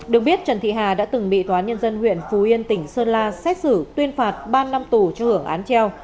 được biết trần thị hà đã từng bị tòa án nhân dân huyện phú yên tỉnh sơn la xét xử tuyên phạt ba năm tù cho hưởng án treo